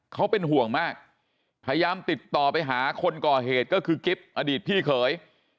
เขาเป็นห่วงมากพยายามติดต่อไปหาคนก่อเหตุก็คือกิ๊บอดีตพี่เขย